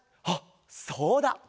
あっそうだ！